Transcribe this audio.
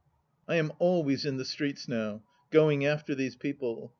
I am always in the streets now, going after these people.